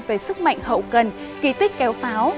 về sức mạnh hậu cần kỳ tích kéo pháo